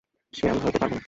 সে আমি সইতে পারব না।